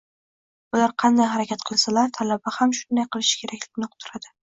ular qanday harakat qilsalar, talaba ham shunday qilishi kerakligini uqdiradi.